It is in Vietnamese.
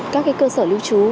các cái cơ sở lưu trú